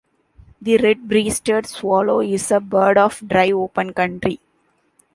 The red-breasted swallow is a bird of dry open country.